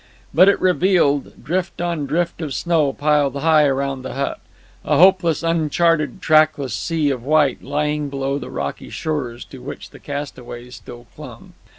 But it revealed drift on drift of snow piled high around the hut a hopeless, uncharted, trackless sea of white lying below the rocky shores to which the castaways still clung.